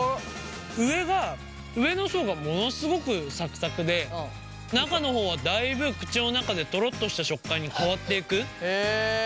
上が上の層がものすごくサクサクで中の方はだいぶ口の中でトロッとした食感に変わっていく。